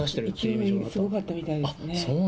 勢いがすごかったみたいですね。